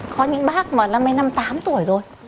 có những bác mà năm mươi năm tám tuổi rồi